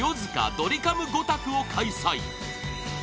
ドリカム５択を開催